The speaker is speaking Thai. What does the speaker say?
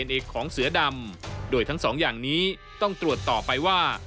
เอกของเสือดำโดยทั้งสองอย่างนี้ต้องตรวจต่อไปว่า